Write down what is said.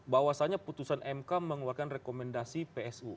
bahwasannya putusan mk mengeluarkan rekomendasi psu